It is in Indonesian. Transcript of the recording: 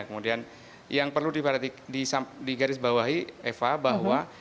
kemudian yang perlu diperhatikan di garis bawahi eva bahwa